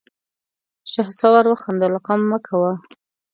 شهسوار وخندل: غم مه کوه!